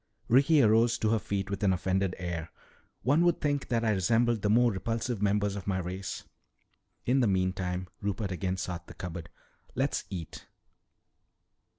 Ricky arose to her feet with an offended air. "One would think that I resembled the more repulsive members of my race." "In the meantime," Rupert again sought the cupboard, "let's eat."